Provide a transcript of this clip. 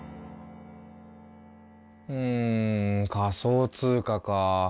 うん仮想通貨かあ。